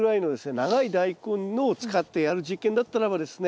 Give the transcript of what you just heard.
長いダイコンを使ってやる実験だったらばですね